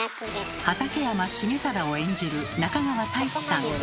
畠山重忠を演じる中川大志さん